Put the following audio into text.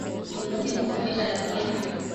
Ni muhimu kukomesha tabia hiyo